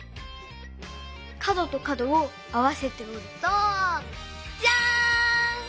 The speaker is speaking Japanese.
かどとかどをあわせておるとジャーン！